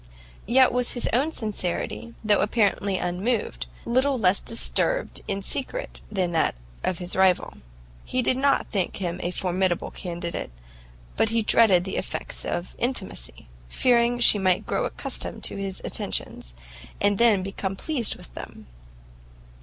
Yet was his own serenity, though apparently unmoved, little less disturbed in secret than that of his rival; he did not think him a formidable candidate, but he dreaded the effects of intimacy, fearing she might first grow accustomed to his attentions, and then become pleased with them.